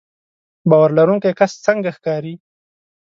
باور لرونکی کس څنګه ښکاري